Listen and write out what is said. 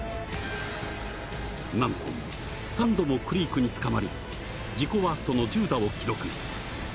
なんと３度もクリークにつかまり自己ワーストの１０打を記録。